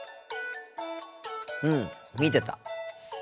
うん見てた。